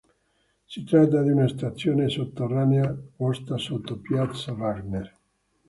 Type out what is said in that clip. Si tratta di una stazione sotterranea, posta sotto piazza Wagner.